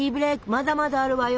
まだまだあるわよ